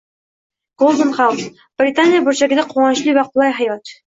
Golden House — Britaniya burchagida quvonchli va qulay hayot